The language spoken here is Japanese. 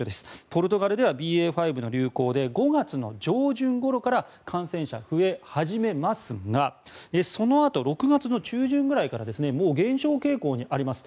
ポルトガルではＢＡ．５の流行で５月上旬ごろから感染者が増え始めますがそのあと６月中旬ぐらいからもう減少傾向にあります。